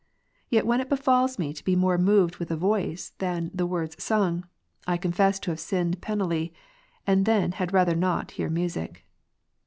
Yet when it befalls me to be more moved with the voice than the words sung, I confess to have sinned penally, and then had rather not hear music.